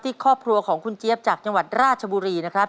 ครอบครัวของคุณเจี๊ยบจากจังหวัดราชบุรีนะครับ